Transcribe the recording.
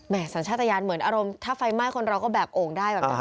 แหมสัญชาตญาณเหมือนอารมณ์ถ้าไฟม่ายคนเราก็แบบโอ่งได้